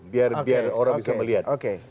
biar orang bisa melihat